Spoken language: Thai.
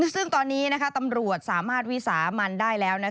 ซึ่งตอนนี้ตำรวจสามารถวิสามันได้แล้ว